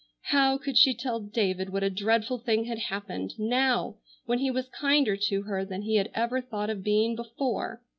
How could she tell David what a dreadful thing had happened, now, when he was kinder to her than he had ever thought of being before!